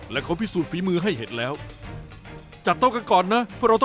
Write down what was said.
ในตัวสตาร์เชฟจะมีใครมีความสามารถพอที่จะสั่นคลอนตำแหน่งกับผมได้เลยครับ